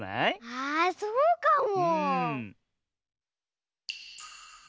あそうかも！